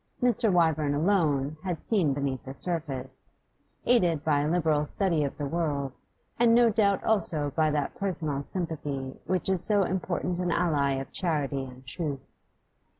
Mr. Wyvern alone had seen beneath the surface, aided by a liberal study of the world, and no doubt also by that personal sympathy which is so important an ally of charity and truth.